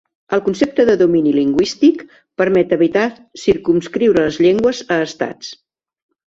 El concepte de domini lingüístic permet evitar circumscriure les llengües a estats.